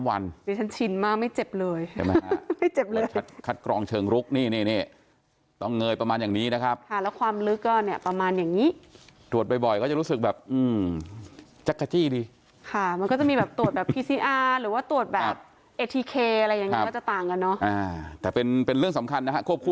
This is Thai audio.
วันนี้ฉันชินมากไม่เจ็บเลย